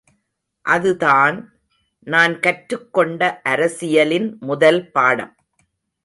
— அதுதான், நான் கற்றுக்கொண்ட அரசியலின் முதல் பாடம்.